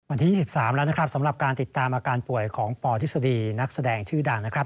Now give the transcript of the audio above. วันที่๒๓แล้วนะครับสำหรับการติดตามอาการป่วยของปทฤษฎีนักแสดงชื่อดังนะครับ